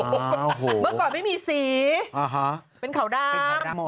เมื่อก่อนไม่มีสีเป็นขาวดำ